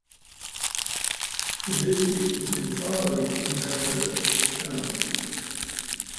The district is entirely in Malheur County.